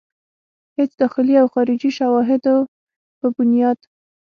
هيڅ داخلي او خارجي شواهدو پۀ بنياد